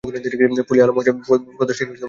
পোল-ই আলম হচ্ছে প্রদেশটির রাজধানী শহর।